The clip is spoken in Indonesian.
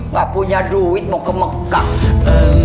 nggak punya duit mau ke mekang